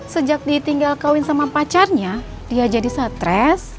sejak ditinggal kawin sama pacarnya dia jadi stres